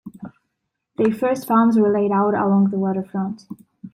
Their first farms were laid out along the waterfront.